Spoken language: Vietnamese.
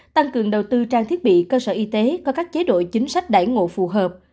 tăng cường đầu tư trang thiết bị cơ sở y tế có các chế độ chính sách đẩy ngộ phù hợp